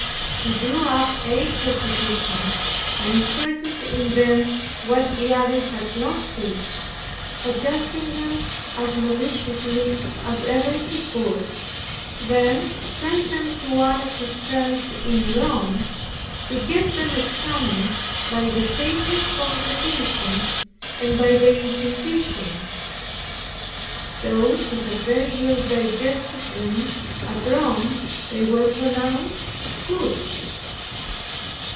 He drew up eight propositions, and inserted in them what the other had not preached, adjusting them as maliciously as ever he could, then sent them to one of his friends in Rome, to get them examined by the Sacred Congregation, and by the Inquisition. Though he had very illy digested them, at Rome they were pronounced good.